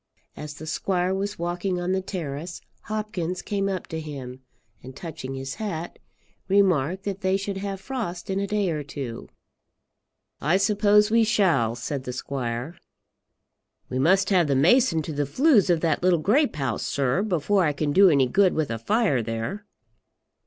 As the squire was walking on the terrace Hopkins came up to him, and touching his hat, remarked that they should have frost in a day or two. "I suppose we shall," said the squire. "We must have the mason to the flues of that little grape house, sir, before I can do any good with a fire there."